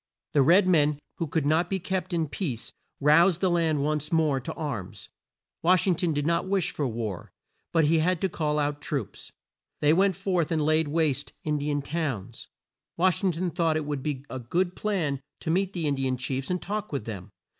The red men, who could not be kept in peace, roused the land once more to arms. Wash ing ton did not wish for war, but he had to call out troops. They went forth and laid waste In di an towns. Wash ing ton thought it would be a good plan to meet the In di an chiefs and talk with them.